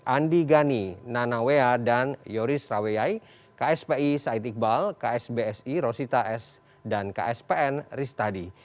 andi gani nanawea dan yoris raweyai kspi said iqbal ksbsi rosita s dan kspn ristadi